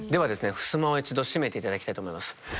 ふすまを一度閉めて頂きたいと思います。